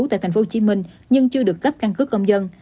tại tp hcm nhưng chưa được cấp căn cước công dân